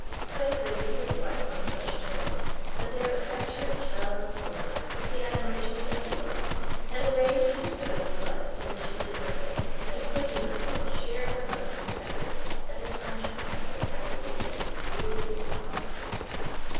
But he lived with his wife on such terms that their affectionate childless home life was the admiration of everyone, and arranged his wife's life so that she did nothing and could do nothing but share her husband's efforts that her time should pass as happily and as agreeably as possible.